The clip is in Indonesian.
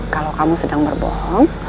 kalau kamu sedang berbohong